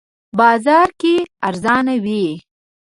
بازار کې ارزانه وی